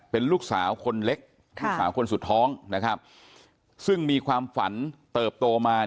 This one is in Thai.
เป็นลูกสาวคนเล็กลูกสาวคนสุดท้องนะครับซึ่งมีความฝันเติบโตมา